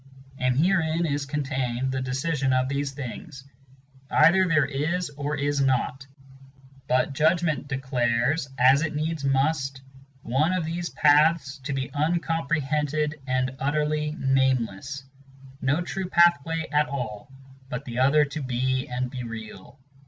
And herein is contained the decision of these things ; Either there is or is not; but Judgment declares, as it needs must, One of these paths to be uncomprehended and utterly nameless, No true pathway at all, but the other to be and be real.